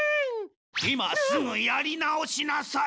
今すぐやり直しなさい！